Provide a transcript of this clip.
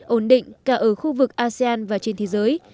ổn định cả ở khu vực asean và trên thế giới